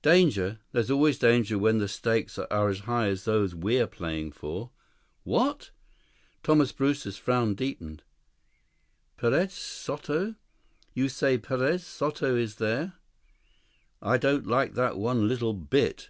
Danger? There's always danger when the stakes are as high as those we're playing for.... What!" Thomas Brewster's frown deepened. "Perez Soto? You say Perez Soto is there? I don't like that one little bit.